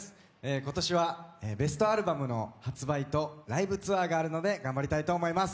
今年はベストアルバムの発売とライブツアーがあるので頑張りたいと思います。